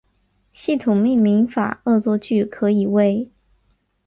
系统命名法恶作剧可以为